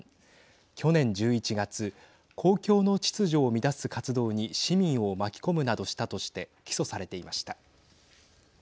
去年１１月公共の秩序を乱す活動に市民を巻き込むなどしたとして起訴されていました。